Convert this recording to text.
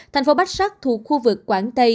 thành phố bách sát thuộc khu vực quảng tây